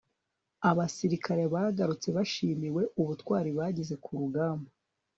abasirikare bagarutse bashimiwe ubutwari bagize kurugamba